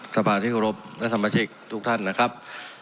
สพาคทีทรุภพนักสมาชิกทุกท่านนะครับ